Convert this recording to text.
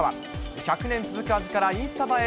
１００年続く味からインスタ映え